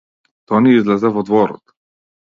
Тони излезе во дворот.